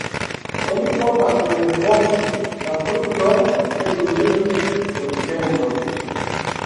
Oni povas rikolti la frukton de julio ĝis septembro.